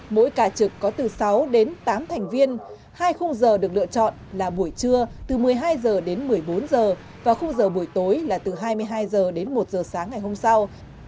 mỗi ca trực có từ sáu đến tám thành viên hai khung giờ được lựa chọn là buổi trưa từ một mươi hai h đến một mươi bốn h và khung giờ buổi tối là từ hai mươi hai h đến một h sáng ngày hôm sau